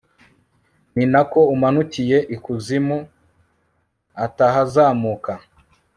ni na ko umanukiye ikuzimu atahazamuka